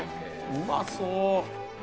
うまそう。